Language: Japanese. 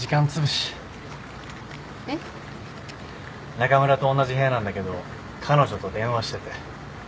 中村とおんなじ部屋なんだけど彼女と電話してて。